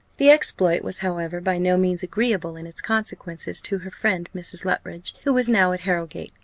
The exploit was, however, by no means agreeable in its consequences to her friend Mrs. Luttridge, who was now at Harrowgate.